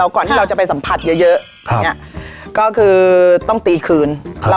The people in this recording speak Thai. ก่อนที่เราจะไปสัมผัสเยอะก็คือต้องตีคืน